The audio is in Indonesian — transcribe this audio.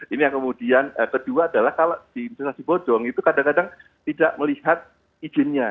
ini yang kemudian kedua adalah kalau di investasi bodong itu kadang kadang tidak melihat izinnya